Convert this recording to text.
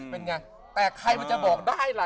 เป็นไงแต่ใครมันจะบอกได้ล่ะ